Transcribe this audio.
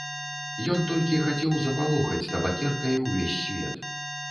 Ён толькі хацеў запалохаць табакеркай увесь свет.